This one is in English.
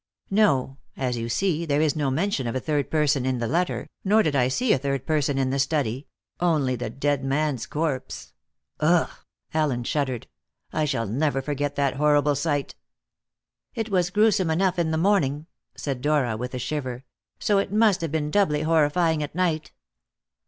"No. As you see, there is no mention of a third person in the letter, nor did I see a third person in the study only the dead man's corpse." "Ugh!" Allen shuddered "I shall never forget that horrible sight." "It was gruesome enough in the morning," said Dora with a shiver, "so it must have been doubly horrifying at night.